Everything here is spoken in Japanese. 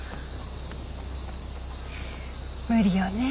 無理よね。